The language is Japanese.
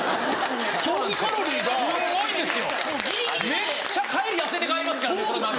めっちゃ帰り痩せて帰りますからねこの番組。